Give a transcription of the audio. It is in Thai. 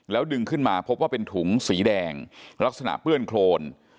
ดึงขึ้นมาพบว่าเป็นถุงสีแดงลักษณะเปื้อนโครน